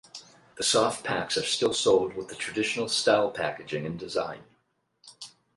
The soft packs are still sold with the traditional style packaging and design.